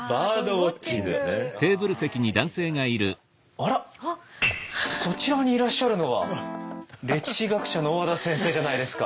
あらそちらにいらっしゃるのは歴史学者の小和田先生じゃないですか。